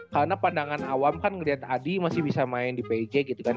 karena pandangan awam kan ngeliat adi masih bisa main di pig gitu kan ya